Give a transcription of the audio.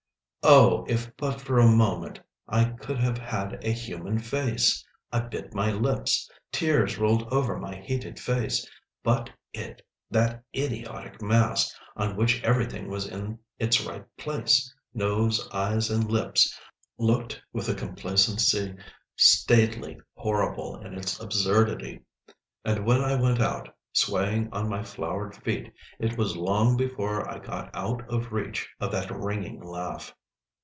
Oh, if but for a moment I could have had a human face! I bit my lips, tears rolled over my heated face; but it—that idiotic mask, on which everything was in its right place, nose, eyes, and lips—looked with a complacency staidly horrible in its absurdity. And when I went out, swaying on my flowered feet, it was long before I got out of reach of that ringing laugh.